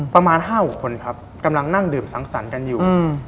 ประมาณ๕๖คนครับกำลังนั่งดื่มสังสรรค์กันอยู่